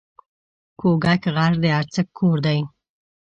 کوږک غر د اڅک کور دی